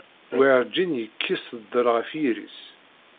Werǧin yekkis ddel ɣef yiri-s.